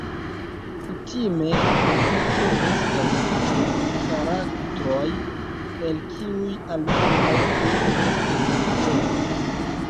Kutime la prefikso estas du karaktroj el kiuj almenaŭ unu estas litero.